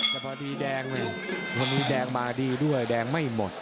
แต่พอดีแดงเนี่ยวันนี้แดงมาดีด้วยแดงไม่หมด